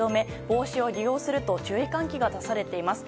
帽子を利用すると注意喚起が出されています。